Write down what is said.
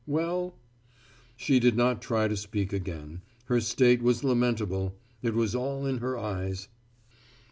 Well?" She did not try again to speak. Her state was lamentable: it was all in her eyes.